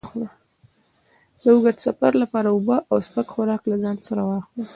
د اوږد سفر لپاره اوبه او سپک خوراک له ځان سره واخله.